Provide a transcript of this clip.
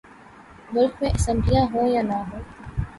ملک میں اسمبلیاں ہوں یا نہ ہوں۔